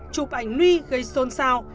chụp ảnh nuy gây xôn xao